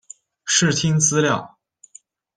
视听资料